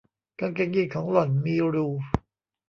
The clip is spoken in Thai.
กางเกงยีนของหล่อนมีรู